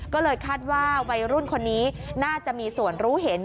ก็เลยคาดว่าวัยรุ่นคนนี้น่าจะมีส่วนรู้เห็น